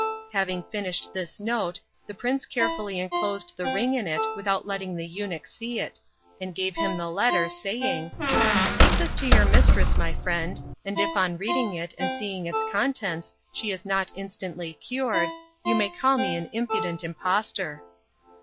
Having finished this note the prince carefully enclosed the ring in it without letting the eunuch see it, and gave him the letter, saying: "Take this to your mistress, my friend, and if on reading it and seeing its contents she is not instantly cured, you may call me an impudent impostor."